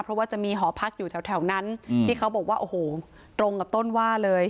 เพราะว่าจะมีหอพักอยู่แถวนั้นที่เขาบอกว่าโอ้โหตรงกับต้นว่าเลย